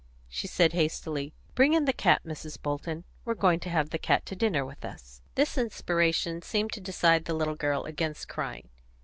She said hastily, "Bring in the cat, Mrs. Bolton; we're going to have the cat to dinner with us." This inspiration seemed to decide the little girl against crying.